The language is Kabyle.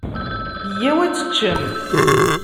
Yya-w ad teččem.